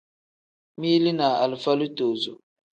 Mili ni alifa litozo.